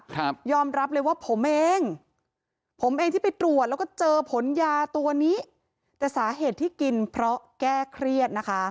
ครับยอมรับเลยว่าผมเองผมเองที่ไปตรวจแล้วก็เจอผลยาตัวนี้แต่สาเหตุที่กินเพราะแก้เครียดนะคะ